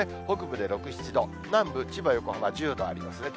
北部で６、７度、南部、千葉、横浜１０度あります。